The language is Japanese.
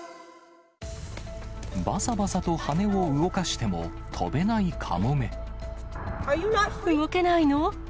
ばさばさと羽を動かしても、動けないの？